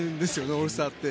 オールスターって。